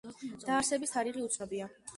დაარსების თარიღი უცნობია.